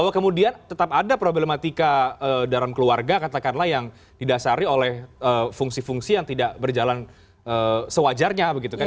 bahwa kemudian tetap ada problematika dalam keluarga katakanlah yang didasari oleh fungsi fungsi yang tidak berjalan sewajarnya begitu kan